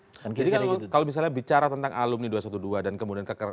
jadi kalau misalnya bicara tentang alumni dua ratus dua belas dan kemudian ke kkpt